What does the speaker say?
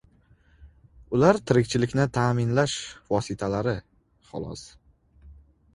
Ular tirikchilikni taʼminlash vositalari, xolos.